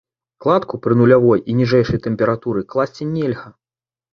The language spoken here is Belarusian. Кладку пры нулявой і ніжэйшай тэмпературы класці нельга.